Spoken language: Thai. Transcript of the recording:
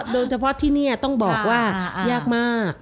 โดยเฉพาะที่นี่ต้องบอกว่ายากมาก